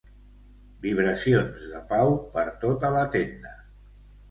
Vibracions de pau per tota la tenda.